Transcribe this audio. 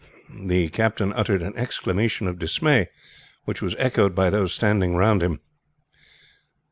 The captain uttered an exclamation of dismay, which was echoed by those standing round him.